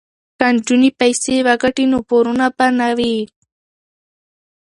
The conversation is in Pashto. که نجونې پیسې وګټي نو پورونه به نه وي.